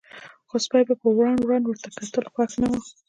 خو سپي په وران وران ورته کتل، خوښ نه و.